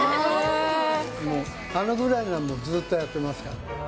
もうあのぐらいなのはずっとやってますから。